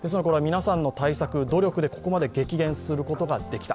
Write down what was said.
皆さんの対策、努力でここまで激減することができた